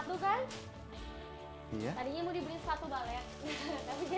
tapi sepatu balet